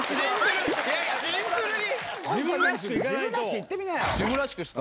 シンプルに。